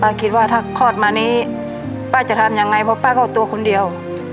คิดว่าถ้าคลอดมานี้ป้าจะทำยังไงเพราะป้าก็ตัวคนเดียว